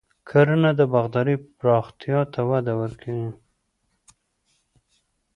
کرنه د باغدارۍ پراختیا ته وده ورکوي.